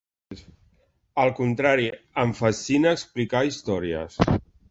Al contrari, em fascina explicar històries.